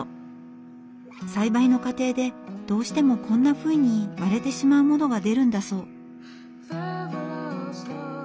栽培の過程でどうしてもこんなふうに割れてしまうものが出るんだそう。